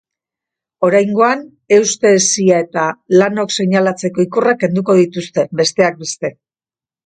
Oraingoan, euste-hesia eta lanok seinalatzeko ikurrak kenduko dituzte, besteak beste.